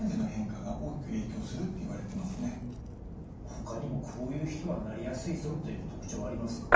ほかにもこういう人はなりやすいぞという特徴はありますか？